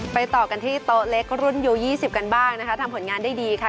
ต่อกันที่โต๊ะเล็กรุ่นยูยี่สิบกันบ้างนะคะทำผลงานได้ดีค่ะ